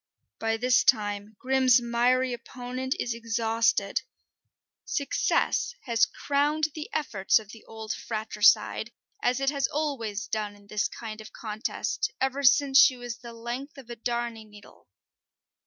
By this time Grim's miry opponent is exhausted: success has crowned the efforts of the old fratricide, as it has always done in this kind of contest, ever since she was the length of a darning needle.